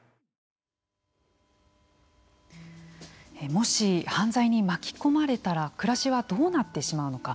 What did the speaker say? もし犯罪に巻き込まれたら暮らしはどうなってしまうのか